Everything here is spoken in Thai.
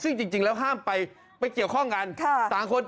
ซึ่งจริงแล้วห้ามไปไปเกี่ยวข้องกัน